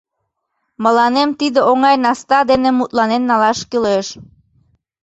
Мыланем тиде оҥай наста дене мутланен налаш кӱлеш.